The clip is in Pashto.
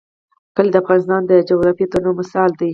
کلي د افغانستان د جغرافیوي تنوع مثال دی.